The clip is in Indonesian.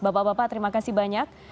bapak bapak terima kasih banyak